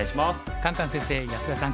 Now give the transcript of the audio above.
カンカン先生安田さん